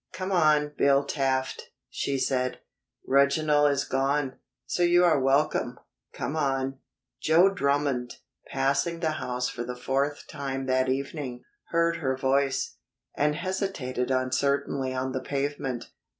"Come on, Bill Taft," she said. "Reginald is gone, so you are welcome. Come on." Joe Drummond, passing the house for the fourth time that evening, heard her voice, and hesitated uncertainly on the pavement.